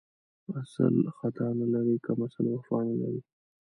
اسل ختا نه لري ، کمسل وفا نه لري.